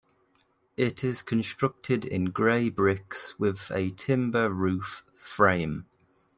It is constructed in grey bricks with a timber roof frame.